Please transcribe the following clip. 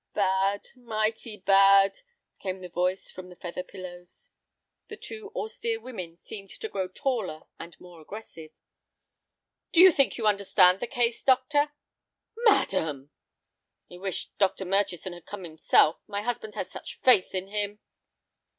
"Bad, mighty bad," came the voice from the feather pillows. The two austere women seemed to grow taller and more aggressive. "Do you think you understand the case, doctor?" "Madam!" "I wish Dr. Murchison had come himself; my husband has such faith in him."